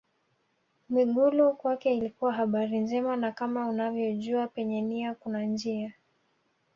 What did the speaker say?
Mwigulu kwake ilikuwa habari njema na kama unavyojua penye nia kuna njia